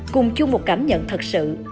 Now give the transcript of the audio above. cùng chung một cảm nhận thật sự